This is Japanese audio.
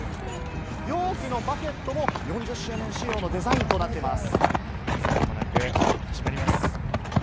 容器のバケットも４０周年仕様のデザインとなっています。